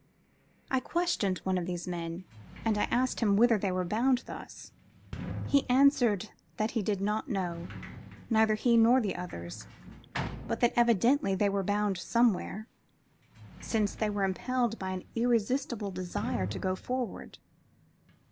I questioned one of these men, and I asked him whither they were bound thus. He answered that he knew not, neither he nor the others; but that evidently they were bound somewhere, since they were impelled by an irresistible desire to go forward.